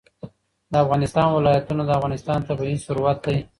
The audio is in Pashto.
د افغانستان ولايتونه د افغانستان طبعي ثروت دی.